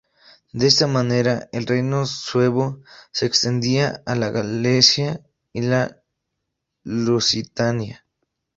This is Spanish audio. De esta manera, el reino suevo se extendía a la Gallaecia y la Lusitania.